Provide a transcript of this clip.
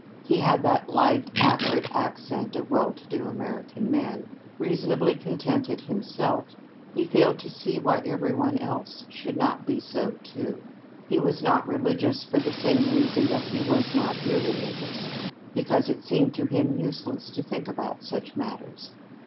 He had that light, acrid accent of well to do American men. Reasonably contented himself, he failed to see why every one else should not be so, too. He was not religious for the same reason that he was not irreligious because it seemed to him useless to think about such matters.